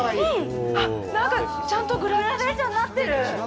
なんかちゃんとグラデーションになってる！